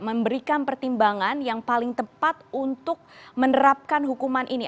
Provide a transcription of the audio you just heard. memberikan pertimbangan yang paling tepat untuk menerapkan hukuman ini